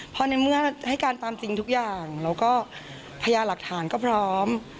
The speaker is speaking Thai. พอในเมื่อให้การตามจริงทุกอย่างแล้วก็พญาหลักฐานก็พร้อม